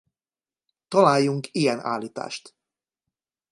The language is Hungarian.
Találjunk ilyen állítást!